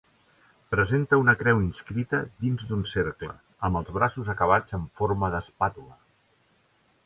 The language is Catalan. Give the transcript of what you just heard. Presenta una creu inscrita dins d'un cercle, amb els braços acabats en forma d'espàtula.